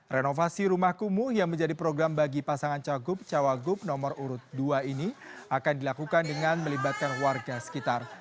renovasi rumah kumuh yang menjadi program bagi pasangan cagup cawagup nomor urut dua ini akan dilakukan dengan melibatkan warga sekitar